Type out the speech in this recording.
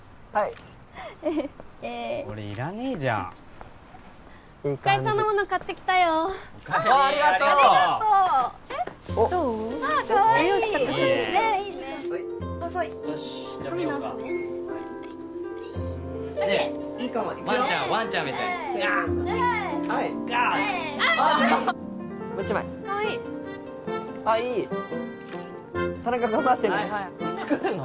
はいはい作るの？